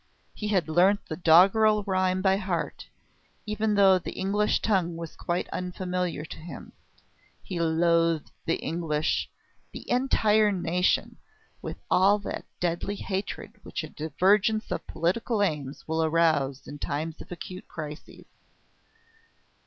He had learnt the doggerel rhyme by heart, even though the English tongue was quite unfamiliar to him. He loathed the English the entire nation with all that deadly hatred which a divergence of political aims will arouse in times of acute crises.